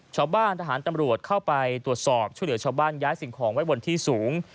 ชาวบ้านทหารตำรวจเข้าไปตรวจสอบช่วยเหลือชาวบ้านย้ายสิ่งของไว้บนที่สูง